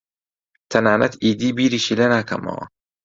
تەنانەت ئیدی بیریشی لێ ناکەمەوە.